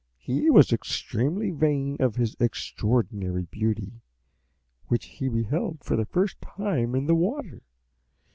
He was extremely vain of his extraordinary beauty, which he beheld for the first time in the water.